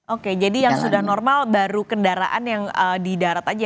oke jadi yang sudah normal baru kendaraan yang di darat aja